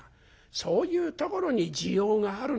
そういうところに滋養があるの。